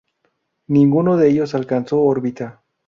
Ninguno de ellos alcanzó órbita.